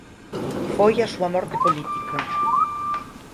Foi a súa morte política.